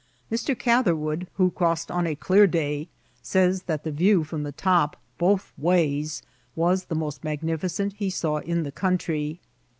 Mr. Catberwood, who crossed on a clear day, says that the view from the top, both wmys, was the most magnificent he saw in the tountry.